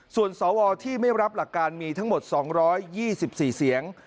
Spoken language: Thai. ส่วนสวที่ไม่รับหลักการมีทั้งหมด๒๒๔เสียง